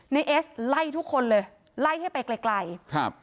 เอสไล่ทุกคนเลยไล่ให้ไปไกลไกลครับ